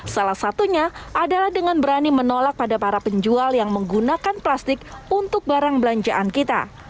salah satunya adalah dengan berani menolak pada para penjual yang menggunakan plastik untuk barang belanjaan kita